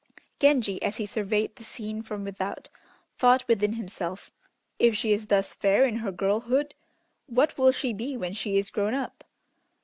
Genji, as he surveyed the scene from without, thought within himself, "If she is thus fair in her girlhood, what will she be when she is grown up?"